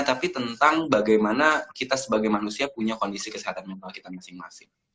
tapi tentang bagaimana kita sebagai manusia punya kondisi kesehatan mental kita masing masing